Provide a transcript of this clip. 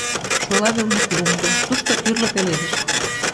Шола велне клумбо, тушто тӱрлӧ пеледыш.